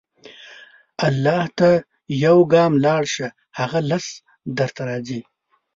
الله ته یو ګام لاړ شه، هغه لس درته راځي.